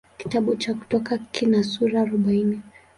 Kitabu cha Kutoka kina sura arobaini.